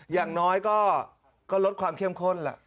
อย่างน้อยก็ลดความเข้มข้นแหละ